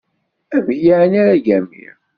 Amek yeεni ara ggamiɣ?